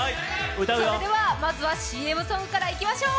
それではまずはＣＭソングからいきましょう。